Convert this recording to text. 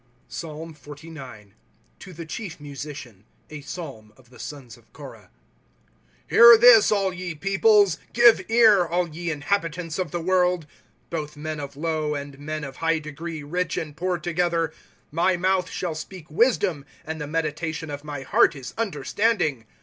./Google PSALM XLIX. To the Chief Musician. A Psalm of the Sons of Korah. 1 Hear thia, all ye peoples, Give ear, all ye inhabitants of the world ;* Both men of low and men of high degree, Rich and poor together. * My mouth shall speak wisdom, And the meditation of my heart is understanding.